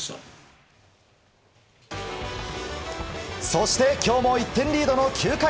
そして今日も１点リードの９回。